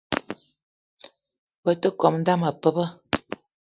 Be te kome dame pabe